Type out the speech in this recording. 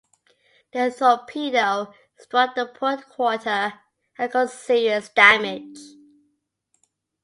The torpedo struck the port quarter and caused serious damage.